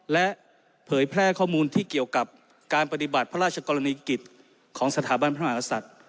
และเผยแพร่ข้อมูลที่เกี่ยวกับการปฏิบัติพระราชกรณีกิจของสถาบันพระมหากษัตริย์